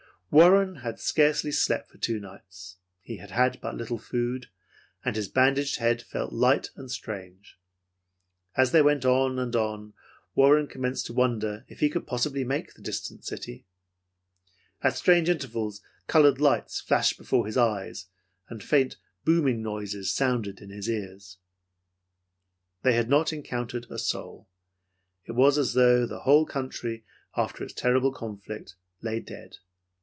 Warren had scarcely slept for two nights. He had had but little food, and his bandaged head felt light and strange. As they went on and on, Warren commenced to wonder if he could possibly make the distant city. At intervals strange colored lights flashed before his eyes, and faint, booming noises sounded in his ears. They had not encountered a soul. It was as though the whole country, after its terrible conflict, lay dead.